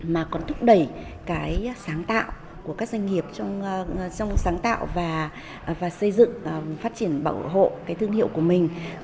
mà còn thúc đẩy cái sáng tạo của các doanh nghiệp trong sáng tạo và xây dựng phát triển bảo hộ cái thương hiệu của mình